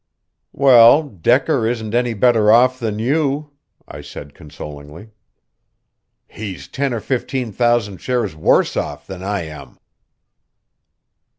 "Well, Decker isn't any better off than you," I said consolingly. "He's ten or fifteen thousand shares worse off than I am."